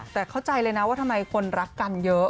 แต่เข้าใจเลยนะว่าทำไมคนรักกันเยอะ